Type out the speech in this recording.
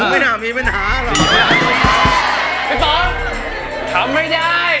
มันไม่มีปัญหาหรอ